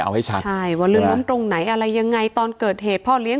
เอาให้ชัดใช่ว่าลื่นล้มตรงไหนอะไรยังไงตอนเกิดเหตุพ่อเลี้ย